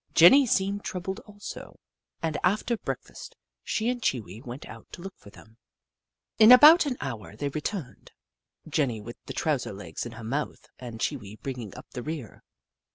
Jenny seemed troubled also, and after break fast she and Chee Wee went out to look for them. In about an hour, they returned, Jenny with the trouser legs in her mouth and Chee Wee bringing up the rear.